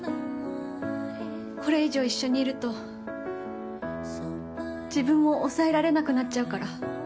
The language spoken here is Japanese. これ以上一緒にいると、自分を抑えられなくなっちゃうから。